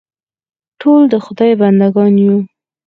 ټول د خدای بنده ګان یو.